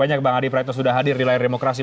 banyak bang adi praetno sudah hadir di layar demokrasi